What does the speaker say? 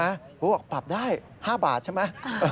เขาบอกปรับได้๕บาทใช่ไหม